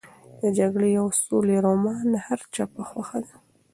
د جګړې او سولې رومان د هر چا په خوښه دی.